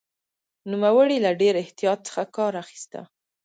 نوموړي له ډېر احتیاط څخه کار اخیست.